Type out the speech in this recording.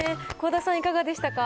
倖田さん、いかがでしたか？